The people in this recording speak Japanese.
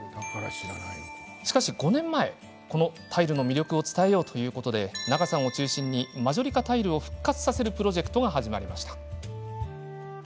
しかし、５年前タイルの魅力を伝えようと中さんを中心にマジョリカタイルを復活させるプロジェクトが始まりました。